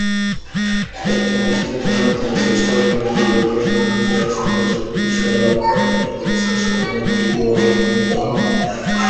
এই চলচ্চিত্রের জন্য তিনি শ্রেষ্ঠ অভিনেত্রী বিভাগে ফিল্মফেয়ার সমালোচক পুরস্কার লাভ করেন, এবং শ্রেষ্ঠ অভিনেত্রী বিভাগে মনোনীত হন।